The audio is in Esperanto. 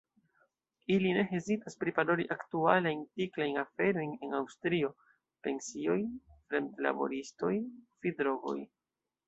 Ili ne hezitas priparoli aktualajn tiklajn aferojn en Aŭstrio: pensioj, fremdlaboristoj, fidrogoj.